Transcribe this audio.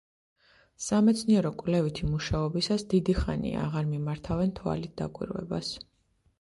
სამეცნიერო-კვლევითი მუშაობისას დიდი ხანია აღარ მიმართავენ თვალით დაკვირვებას.